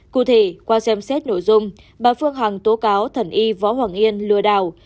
cụ thể qua xem xét nội dung bà phương hằng tố cáo thần y võ hoàng yên lừa đảo